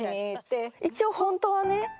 一応本当はね